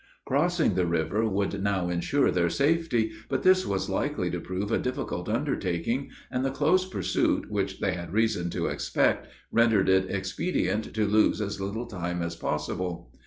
Crossing the river would now insure their safety, but this was likely to prove a difficult undertaking, and the close pursuit, which they had reason to expect, rendered it expedient to lose as little time as possible.